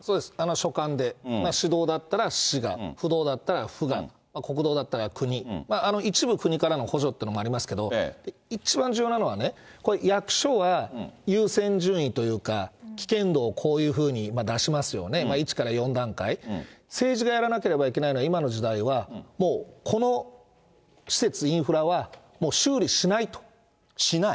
書簡で、市道だったら市が、府道だったら府が、国道だったら国、一部国からの補助というのもありますけど、一番重要なのは、これ、役所は優先順位というか、危険度をこういうふうに出しますよね、１から４段階、政治がやらなければいけないのは、今の時代は、もうこの施設、インフラはもう修理しないと。しない？